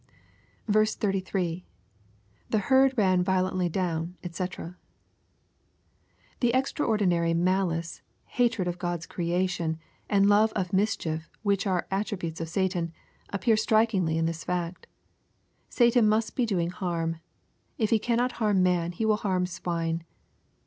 33.— [^Ae Ti^d ran violently down^ &c.] The extraordinary malice, hatred of God's creation, and love of mischief, which are attribute^ of Satan, appear strikingly in this fact. Satan must be doing harm. If he cannot harm man he will harm swine.